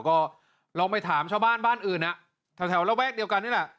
ก็ลองไปถามชาวบ้านบ้านอื่นน่ะแถวแล้วแว๊กเดียวกันนี่ล่ะ